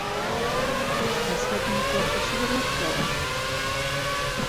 Әсғәт минең ҡолаҡҡа шыбырлап та ала: